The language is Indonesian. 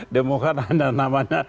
demokra tanda namanya